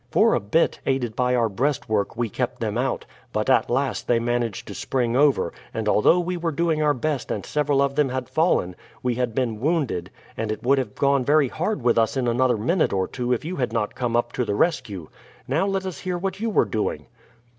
For a bit, aided by our breastwork, we kept them out. But at last they managed to spring over, and although we were doing our best and several of them had fallen, we had been wounded, and it would have gone very hard with us in another minute or two if you had not come up to the rescue. Now let us hear what you were doing."